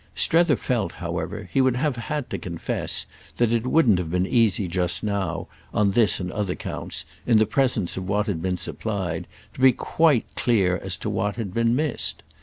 Strether felt, however, he would have had to confess, that it wouldn't have been easy just now, on this and other counts, in the presence of what had been supplied, to be quite clear as to what had been missed.